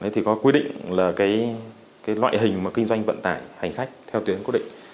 thì có quy định là loại hình kinh doanh vận tải hành khách theo tuyến quy định